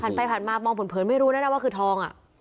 ทันไปทันมากมองผลเผินไม่รู้นะว่าคือทอง